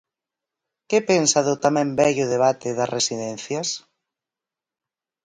Que pensa do tamén vello debate das residencias?